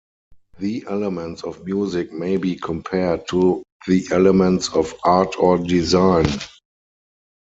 The elements of music may be compared to the elements of art or design.